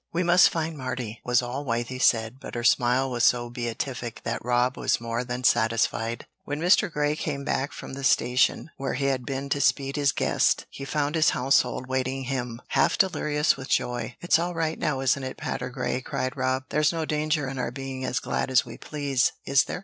"We must find Mardy," was all Wythie said, but her smile was so beatific that Rob was more than satisfied. When Mr. Grey came back from the station, where he had been to speed his guest, he found his household waiting him, half delirious with joy. "It's all right now, isn't it, Patergrey?" cried Rob. "There's no danger in our being as glad as we please, is there?